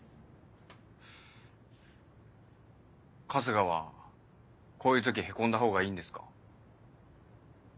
春日はこういう時へこんだ方がいいんですか？